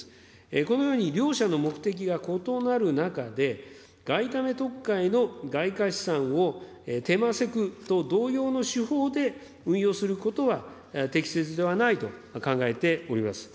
このように、両者の目的が異なる中で、外為特会の外貨資産をテマセクと同様の手法で運用することは、適切ではないと考えております。